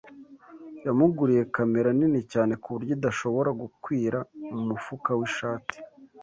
Yamuguriye kamera nini cyane kuburyo idashobora gukwira mu mufuka w'ishati.